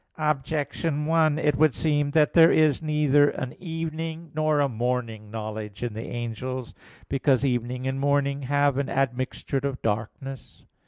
Objection 1: It would seem that there is neither an evening nor a morning knowledge in the angels; because evening and morning have an admixture of darkness.